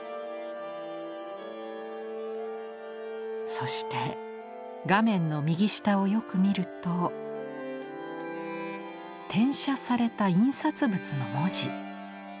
そして画面の右下をよく見ると転写された印刷物の文字。